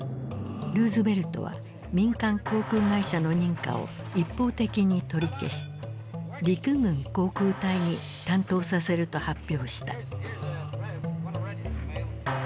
ルーズベルトは民間航空会社の認可を一方的に取り消し陸軍航空隊に担当させると発表した。